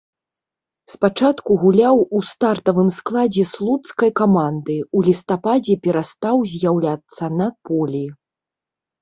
Спачатку гуляў у стартавым складзе слуцкай каманды, у лістападзе перастаў з'яўляцца на полі.